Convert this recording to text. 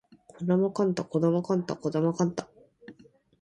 児玉幹太児玉幹太児玉幹太